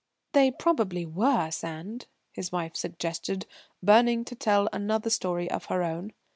"They probably were sand," his wife suggested, burning to tell another story of her own.